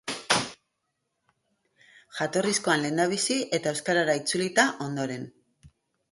Jatorrizkoan lehendabizi, eta euskarara itzulita ondoren.